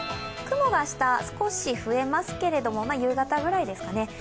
雲が明日、少し増えますけれども夕方ぐらいですかね。